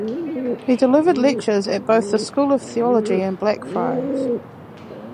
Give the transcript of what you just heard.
He delivered lectures at both the School of Theology and Blackfriars.